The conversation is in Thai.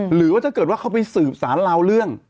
หรือว่าถ้าเกิดว่าเขาไปสืบสารเราเรื่อง